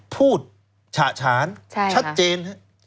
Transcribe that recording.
พูดฉะฉานชัดเจน